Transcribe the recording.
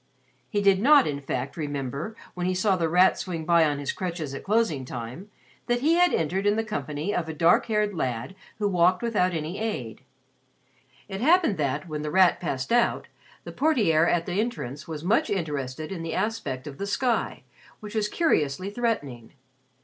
He did not, in fact, remember, when he saw The Rat swing by on his crutches at closing time, that he had entered in company with a dark haired lad who walked without any aid. It happened that, when The Rat passed out, the ___portier___ at the entrance was much interested in the aspect of the sky, which was curiously threatening.